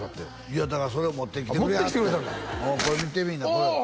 いやだからそれ持ってきてくれはったんやこれ見てみいなあ